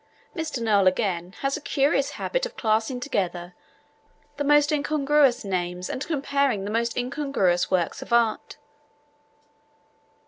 Mr. Noel, again, has a curious habit of classing together the most incongruous names and comparing the most incongruous works of art.